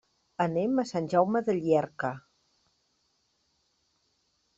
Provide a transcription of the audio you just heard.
Anem a Sant Jaume de Llierca.